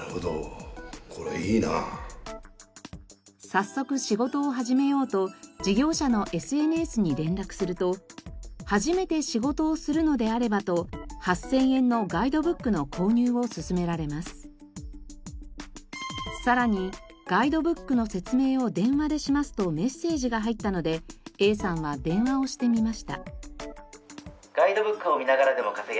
早速仕事を始めようと事業者のＳＮＳに連絡すると初めて仕事をするのであればとさらに「ガイドブックの説明を電話でします」とメッセージが入ったのでＡさんは電話をしてみました。